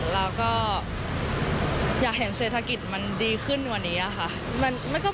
แล้วก็อยากเห็นเศรษฐกิจมันดีขึ้นกว่านี้ค่ะ